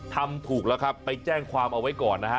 ทำถูกแล้วครับไปแจ้งความเอาไว้ก่อนนะฮะ